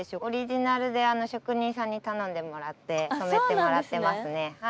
オリジナルで職人さんに頼んでもらって染めてもらってますね。